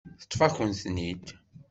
Teṭṭef-akent-ten-id.